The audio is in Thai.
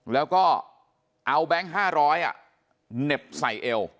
แล้วก็เอาแบงค์๕๐๐เหน็บใส่เอว